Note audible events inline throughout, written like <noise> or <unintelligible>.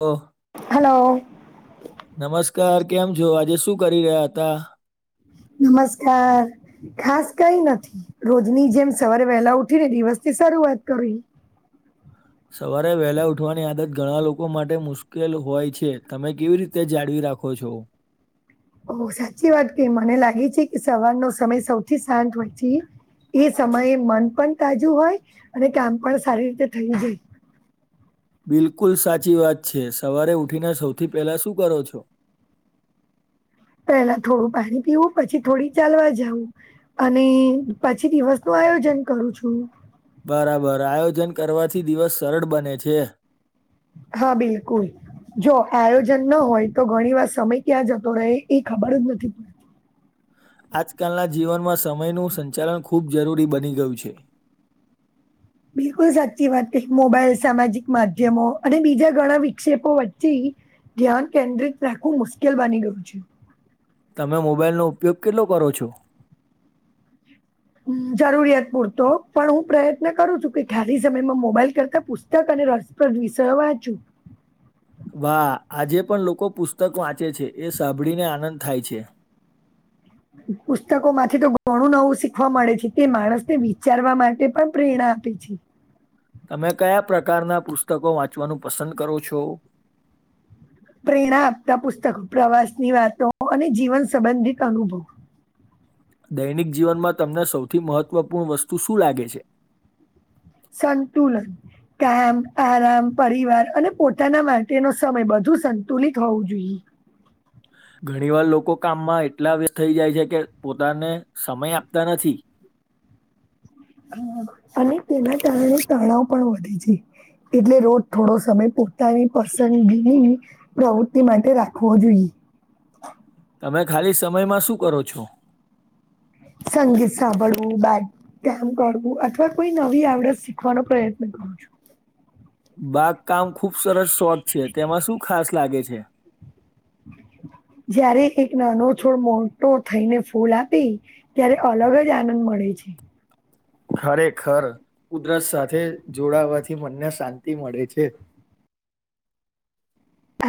ઓ hello નમસ્કાર કેમ જો આજે શું કરી રહ્યા હતા નમસ્કાર ખાસ કઈ નથી રોજની જેમ સવારે વહેલા ઉઠી ને દિવસ થી સરું વાત કરી સવારે વહેલા ઉઠવાની આદત ઘણા લોકો માટે મુશ્કેલ હોય છે તમે કેવી રીતે જાળવી રાખો છો ઓ સાચી વાત કે મને લાગે છે કે સવારનો સમય સૌથી શાંત હોયચી એ સમયે મન પણ તાજું હોય અને કામ પણ સારી રીતે થઈ જાય <inaudible> <unintelligible> બિલકુલ સાચી વાત છે સવારે ઉઠીને સૌથી પહેલા શું કરો છો <inaudible> <unintelligible> પેલા થોડું પાણી પીવું પછી થોડી ચાલવા જાઉં અને પછી દિવસ નું આયોજન કરું છું બરાબર આયોજન કરવાથી દિવસ સરળ બને છે <inaudible> હા બિલકુલ જો આયોજન ન હોય તો ઘણી વાર સમય ક્યાં જતો રહે એ ખબર જ નથી પડતી આજકાલના જીવનમાં સમયનું સંચાલન ખૂબ જરૂરી બની ગયું છે <inaudible> <unintelligible> બિલકુલ સાચી વાત ક મોબાઈલ સામાજિક માધ્યમો અને બીજા ઘણા વિક્ષેપો વચ્ચે ધ્યાન કેન્દ્રિત રાખવું મુશ્કેલ બની ગયું છે તમે મોબાઈલ નો ઉપયોગ કેટલો કરો છો હ જરૂરિયાત પૂરતો પણ હું પ્રયત્ન કરું છું કે ખાલી સમયમાં મોબાઈલ કરતા પુસ્તક અને પ વિસ વાંચું <inaudible> <unintelligible> વાહ આજે પણ લોકો પુસ્તક વાંચે છે એ સાંભળીને આનંદ થાય છે <inaudible> <unintelligible> પુસ્તકો માંથી તો ઘણું નવું શીખવા મળે છે તે માણસને વિચારવા માટે પણ પ્રેરણા છે હ તમે કયા પ્રકારના પુસ્તકો વાંચવાનું પસંદ કરો છો પ્રેરણા આપતા પુસ્તકો પ્રવાસની વાતો અને જીવન સંબંધિત અનુભવ દૈનિક જીવનમાં તમને સૌથી મહત્વપૂર્ણ વસ્તુ શું લાગે છે સંતુલન કામ આરામ પરિવાર અને પોતાના માટેનો સમય બધુ સંતુલિત હોવું જોઈએ <unintelligible> <inaudible> ઘણી વાર લોકો કામમાં એટલા વ થઈ જાય છે કે પોતાને સમય આપતા નથી હ અને તેના કારણે તણાવ પણ વધે છે. એટલે રોજ થોડો સમય પોતાની પસંદગીની પ્રવૃત્તિ માટે રાખવો જોઈએ. <unintelligible> <inaudible> તમે ખાલી સમયમાં શું કરો છો? સંગીત સાંભળવું બેામ કરવું અથવા કોઈ નવી આવડત શીખવાનો પ્રયત્ન. હ છું <inaudible> <unintelligible> <inaudible> બાગકામ ખુબ સરસ શોટ છે તેમાં શું ખાસ લાગે છે? જયારે એક નાનો છોડ મોટો થઈને ફૂલ આપી ત્યારે અલગ જ આનંદ મળે. મળ છે. ખરેખર ઉદરસ સાથે જોડાવાથી મનને શાંતિ મળે છે. <unintelligible> <inaudible>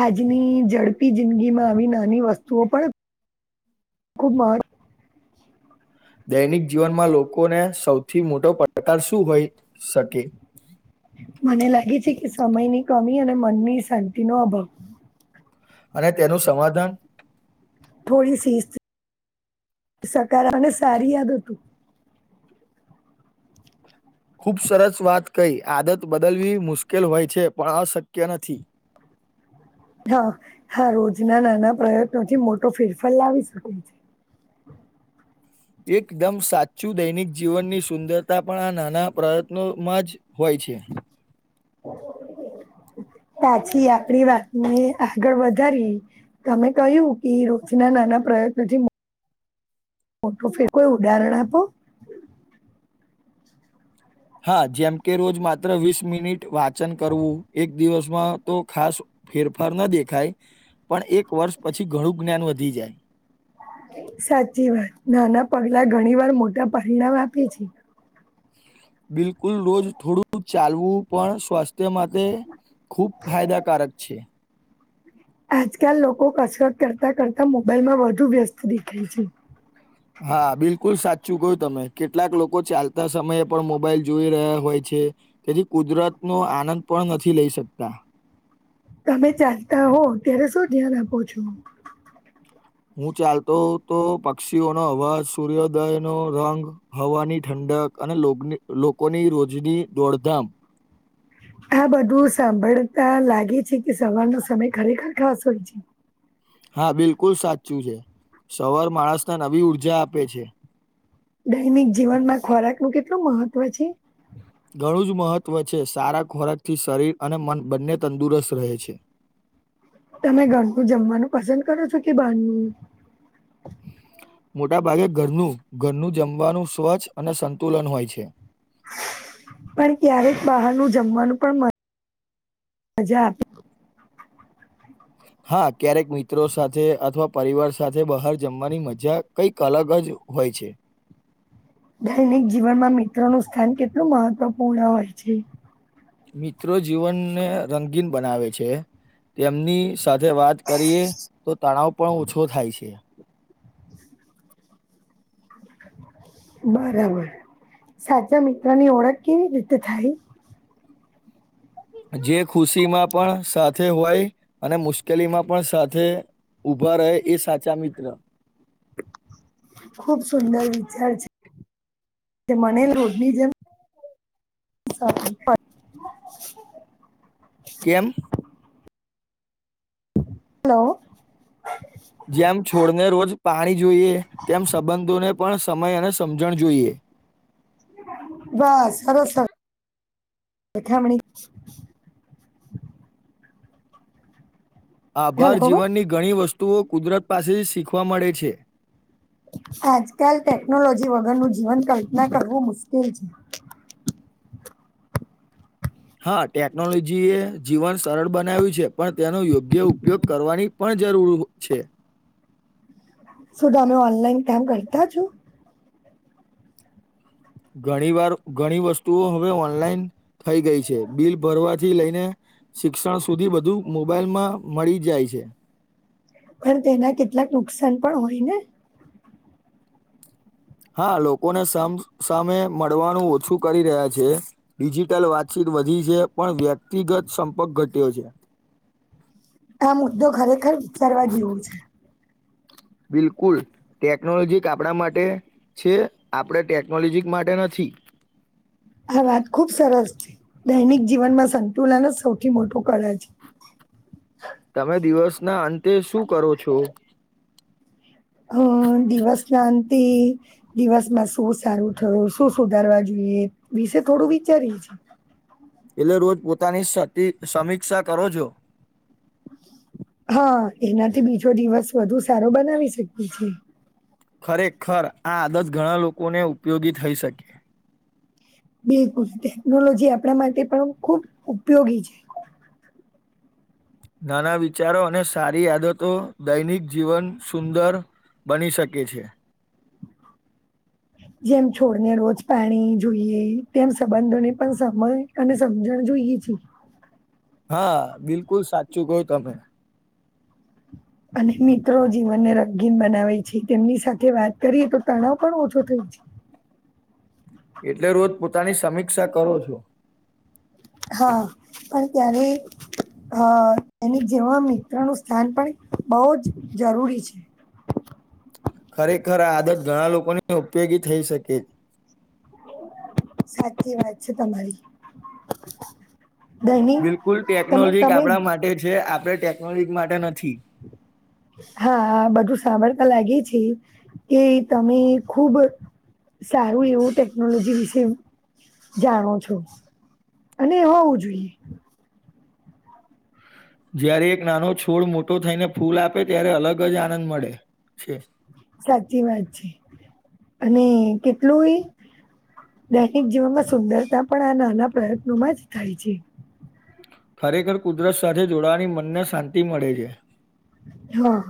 આજની ઝડપી જિંદગીમાં આવી નાની વસ્તુઓ પણ ગુડ માર્નિંગ. દૈનિક જીવનમાં લોકોને સૌથી મોટો પડકાર શું હોય શકે? હ <inaudible> મને લાગે છે કે સમયની કમી અને મનની શાંતિનોો અભાવ. અને તેનું સમાધાન? થોડી શિસ્કાર સારી યાદ હતું. ખૂબ સરસ વાત કઈ આદત બદલવી મુશ્કેલ હોય છે પણ અશક્ય નથી. હા હા રોજના નાના પ્રયત્નોથી મોટો ફેરફાર લાવી શકે છે. <unintelligible> એકદમ સાચું દૈનિક જીવનની સુંદરતા પણ આ નાના પ્રયત્નોમાં જ હોય છે. <inaudible> પાછી આપડી વાતને આગળ વધારી તમે કહ્યું કે રોજના ના પ્રયત્ન થી? મોટું ફે કોઈ ઉદાહરણ આપો. હા જેમ કે રોજ માત્ર વીસ મિનિટ વા વચન કરવું. એક દિવસમાં તો ખાસ ફેરફાર ન દેખાય પણ એક વર્ષ પછી ઘણું જ્ઞાન વધી જાય. સાચી વાત નાના પગલા ઘણી વાર મોટા પરિણામ આપે છે. બિલકુલ રોજ થોડું ચાલવું પણ સ્વસ્થ તે માટે ખૂબ ફાયદાકારક છે. આજકાલ લોકો કસરત કરતા કરતા મોબાઈલ માં વધુ વ્યસ્ત દેખાય છે. હા બિલકુલ સાચું કું તમે કેટલાક લોકો ચાલતા સમયે પણ મોબાઈલ જોઈ રહ્યા હોય છે. તેથી કુદરત નો આનંદ પણ નથી લઈ શકતા. તમે ચાલતા હો ત્યારે શું ધ્યાન આપો છો? હું ચાલતો તો પક્ષીઓનો અવાજ સૂર્યોદય નો રંગ હવાની ઠંડી ંડક અને લોકોની રોજની દોડધામ આ બધું સાંભળતા લાગે છે કે સવારનો સમય ખરેખર ખાસ હોય છે. હા બિલકુલ સાચું છે સવાર માણસને નવી ઉઊર્જા આપે છે. દૈનિક જીવનમાં ખોરાક નું કેટલું મહત્વ છે. ઘણું જ મહત્વ છે સારા ખોરાક થી શરીર અને મન બંને તંદુરસ્ત રહે છે. <unintelligible> તમે ઘરનું જમવાનું પસંદ કરો છો કે બારનું? મોટા ભાગે ઘરનું ઘરનું જમવાનું સ્વચ્છ અને સંતુલન હોય છે. પણ ક્યારેક બહારનું જમવાનું પણ હજા <inaudible> હા ક્યારેક મિત્રો સાથે અથવા પરિવાર સાથે બહાર જમવાની મજા કઈક અલગ જ જ હોય છે દૈનિક જીવનમાં મિત્રોનું સ્થાન કેટલું મહત્વપૂર્ણ હોય છે મિત્રો જીવનને રંગીન બનાવે છે તેમની સાથે વાત કરીએ તો તણાવ પણ ઓછો થાય છે બરાબર સાચા મિત્રની ઓળખ કેવી રીતે થાય જે ખુશી માં પણ સાથે હોય અને મુશ્કેલીમાં પણ સાથે ઊબા રહે એ સાચા મિત્ર ખુબ સુંદર વિચાર છે મને રોજની જેમ <inaudible> કેમ હલો જેમ છોડને રોજ પાણી જોઈએ તેમ સંબંધોને પણ સમય અને સમજણ જોઈએ બસ સરસ છે ઠમણી <inaudible> આભાર હેલો જીવનની ઘણી વસ્તુઓ કુદરત પાસે જ શીખવા મળે છે આજકાલ ટેકનોલોજી વગરનું જીવન કલ્પના કરવું મુશ્કેલ છે <inaudible> હા ટેકનોલોજી એ જીવન સરળ બનાવ્યું છે પણ તેનો યોગ્ય ઉપયોગ કરવાની પણ જરૂર છે શું તમે ઓનલાઈન કામ કરતા છો ઘણી વાર ઘણી વસ્તુઓ હવે ઓનલાઈન થઈ ગઈ છે બિલ ભરવાથી લઈને શિક્ષણ સુધી બધું મોબાઈલ માં મળી જાય છે પણ તેના કેટલાક નુકસાન પણ હોય ને હા લોકોને સા સામે મળવાનું ઓછું કરી રહ્યા છે ડિજિટલ વાતચીત વધી છે પણ વ્યક્તિગત સંપર્ક ઘટ્યો છે આ મુદ્દો ખરેખર વિચારવા જેવો છે બિલકુલ ટેકનોલોજી આપણા માટે છે આપડ ટેકનોલોજી માટે નથી <inaudible> આ વાત ખુબ સરસ છે દૈનિક જીવનમાં સંતુલન જ સૌથી મોટું કરે છે તમે દિવસ ના અંતે શું કરો છો હમ દિવસ ના અંતે દિવસમાં શું સારું થયું શું સુધારવા જોઈએ એ વિશે થોડું વિચારીએ છીએ એટલે રોજ પોતાની સમીક્ષા કરો છો હા એનાથી બીજો દિવસ વધુ સારો બનાવી શકીએ છેએ- ખરેખર આ આદત ઘણા લોકોને ઉપયોગી થઈ શકે બિલકુલ ટેકનોલોજી આપણા માટે પણ ખુબ ઉપયોગી છે નાના વિચારો અને સારી આદતો દૈનિક જીવન સુંદર બની શકે છે જેમ છોડને રોજ પાણી જોઈએ તેમ સંબંધોને પણ સમજ અને સમજણ જોઈ પઈએ છે હા બિલકુલ સાચું કહ તમે અને મિત્રો જીવનને રગીન બનાવે છે તેમની સાથે વાત કરીએ તો તણાવ પણ ઓછો થાય છે <unintelligible> <inaudible> એટલે રોજ પોતાની સમીક્ષા કરો છો હા પણ ત્યારે અ એની જેવા મિત્ર ન સ્થાન પણ બહ જ જરૂરી છે <unintelligible> તો ઉપયોગી થઈ શકે સાચી વાત છે તમારી દૈનિક બિલકુલ તમે ટેકનોલોજી તમે આપણા માટે છે આપડણે ટેકનોલોજી માટે નથી હા બધું સાંભળ લાગે છે કે તમે ખુબ સારું એવું ટેકનોલોજી વિશે જાણો છો અને હોવું જોઈએ જયારે એક નાનો છોડ મોટો થઈને ફૂલ આપે ત્યારે અલગ જ આનંદ મળે છે સાચી વાત છે અને કેટલું એ દૈકિક જીવનમાં સુંદરતા પણ આ નાના પ્રયત્નોમાં જ થાય છે ખરેખર કુદરત સાથે જોડાવાની મનને શાંતિ મળે છે હા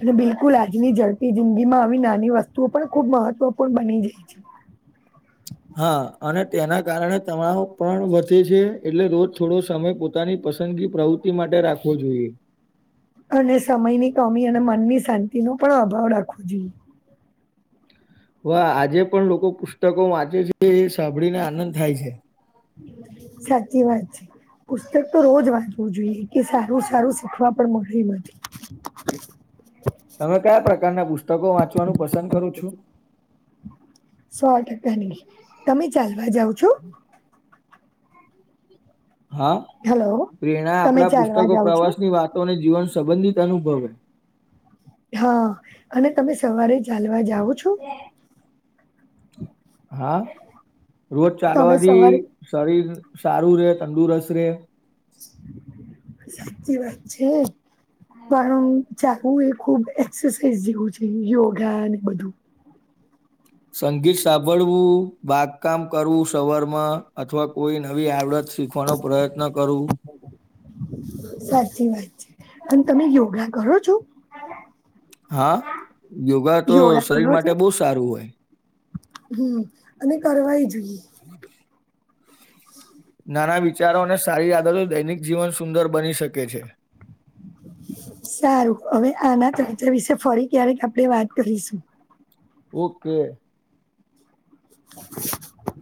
અને બિલકુલ આજની જઝડપ જિંદગી માં આવી નાની વસ્તુઓ પણ ખુબ મહત્વપૂર્ણ બની જાય છે <unintelligible> <inaudible> હા અને તેના કારણે તણાવ પણ વધે છે એટલે રોજ થોડો સમય પોતાની પસંદગી પ્રવૃતિ માટે રાખવો જોઈએ અને સમયની કમી અને મનની શાંતિનોો પણ અભાવ રાખવો જોઈએ વા આજે પણ લોકો પુસ્તકો વાંચે છે એ સાંભળીને આનંદ થાય છે સાચી વાત છે પુસ્તક તો રોજ વાંચવું જોઈએ કે સારું સારું શીખવા પણ મળી નથી તમે કયા પ્રકારના પુસ્તકો વાંચવાનું પસંદ કરું છું સો ટકાની તમે ચાલવા જાાવ છો હા હલો પ્રેરણા તમે આપણા ચાલવા પુસ્તકો જાઓ પ્રવાસ છો ની વાતોને જીવન સંબંધિત અનુભવે હા અને તમે સવારે ચાલવા જાાવ છો હા રોજ તમે ચાલવાથી સવારે શરીર સારું રે તંદુરસ્ત રે સાચી વાત છે કારણ ચું એ ખુબ એક્સરસાઝ જેવું છે યોગા ને બધું સંગીત સાંભળવું બાગકામ કરવું સવરમાં અથવા કોઈ નવી આવડત શીખવાનો પ્રયત્ન કરું <unintelligible> સાચી વાત છે અને તમે યોગા કરો છો. હા યોગા તો શરીર કરો છો માટે બહુ સારું હોય હમ અને કરવાય જ <unintelligible> નાના વિચારો અને સારી આદતો દૈનિક જીવન સુંદર બની શકે છે સારું હવે આના ચર્ચા વિશે ફરી ક્યારેક આપડણે વાત કરીશું ઓકે <unintelligible>